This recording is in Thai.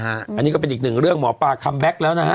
อันนี้ก็เป็นอีกหนึ่งเรื่องหมอปลาคัมแบ็คแล้วนะฮะ